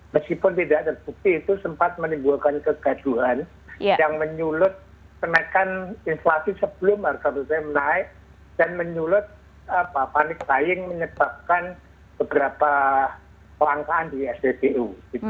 meskipun tidak terbukti itu sempat menimbulkan kegaduhan yang menyulut kenaikan inflasi sebelum harga bbm naik dan menyulut panik saing menyebabkan beberapa kelangkaan di spbu